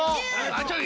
あちょっ